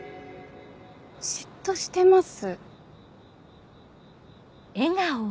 嫉妬してます？